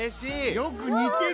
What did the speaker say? よくにてる！